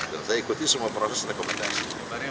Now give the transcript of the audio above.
dan saya ikuti semua proses rekomendasi